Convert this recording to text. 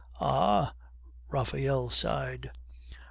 "Ah!" Raphael sighed.